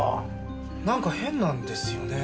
なんか変なんですよね。